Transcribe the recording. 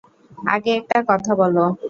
আগে একটা কথা বলো।